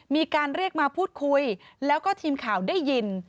มีการเรียกมาพูดคุยแล้วก็ทีมข่าวได้ยิน